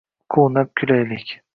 Quvnab kulaylik.